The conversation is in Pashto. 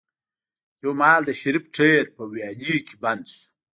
يو مهال د شريف ټاير په ويالې کې بند شو.